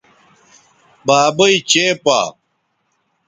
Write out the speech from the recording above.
بابئ چےپا